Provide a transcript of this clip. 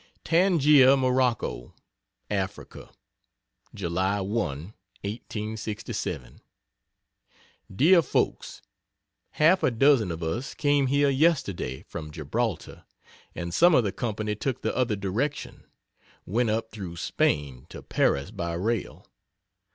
TANGIER, MOROCCO, (AFRICA), July 1, 1867. DEAR FOLKS, Half a dozen of us came here yesterday from Gibraltar and some of the company took the other direction; went up through Spain, to Paris by rail.